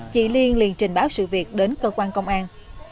chị liên liền trình báo sự việc đến cơ quan công an